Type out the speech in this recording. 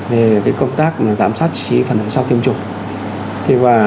về công tác giám sát sử trí phần hướng sau tiêm chủng